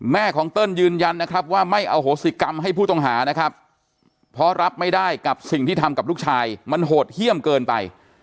ของเติ้ลยืนยันนะครับว่าไม่อโหสิกรรมให้ผู้ต้องหานะครับเพราะรับไม่ได้กับสิ่งที่ทำกับลูกชายมันโหดเยี่ยมเกินไป